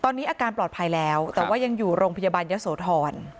ตอนนี้อาการปลอดภัยแล้วแต่ว่ายังอยู่โรงพยาบาลเยอะโสธร